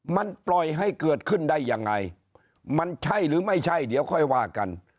มันปล่อยให้เกิดขึ้นได้ยังไงมันใช่หรือไม่ใช่เดี๋ยวค่อยว่ากัน